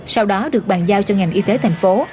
sau đó được bàn giao cho ngành y tế thành phố